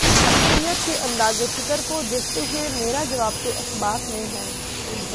اکثریت کے انداز فکر کو دیکھتے ہوئے، میرا جواب تو اثبات میں ہے۔